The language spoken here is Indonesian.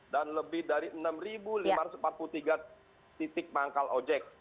dan lebih dari enam lima ratus empat puluh tiga titik manggal ojek